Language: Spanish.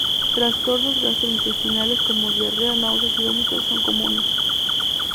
Trastornos gastrointestinales como diarrea, náuseas y vómitos, son comunes.